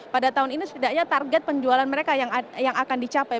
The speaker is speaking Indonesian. pada tahun ini setidaknya target penjualan mereka yang akan dicapai